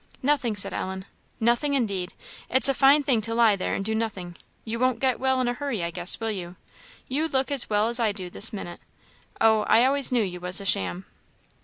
"Nothing," said Ellen. "Nothing indeed! It's a fine thing to lie there and do nothing. You won't get well in a hurry, I guess will you? You look as well as I do this minute. Oh, I always knew you was a sham."